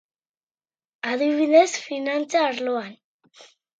Adibidez, finantza arloan.